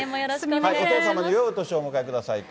お父様によいお年をお迎えくださいと。